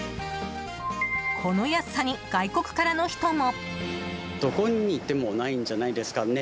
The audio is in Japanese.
この安さに外国からの人も。